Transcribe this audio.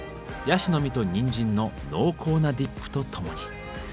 ヤシの実とにんじんの濃厚なディップとともに。